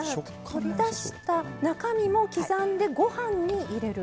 取り出した中身も刻んでご飯に入れる。